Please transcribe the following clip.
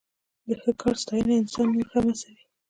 د ښه کار ستاینه انسان نور هم هڅوي.